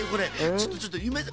ちょっとちょっとゆめか